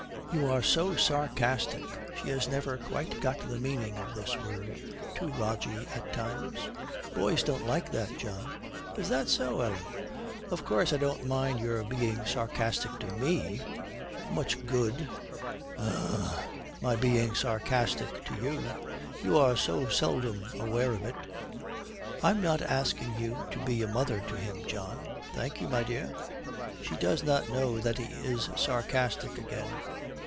'You are so sarcastic,' she has never quite got the meaning of this word, 'to Rogie at times. Boys don't like that, John.' 'Is that so, Ellen?' 'Of course I don't mind your being sarcastic to me ' 'Much good,' groaning, 'my being sarcastic to you! You are so seldom aware of it.' 'I am not asking you to be a mother to him, John.' 'Thank you, my dear.' She does not know that he is sarcastic again.